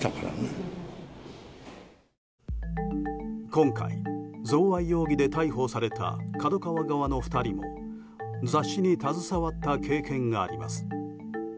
今回、贈賄容疑で逮捕されたＫＡＤＯＫＡＷＡ側の２人も雑誌に携わった経験があります。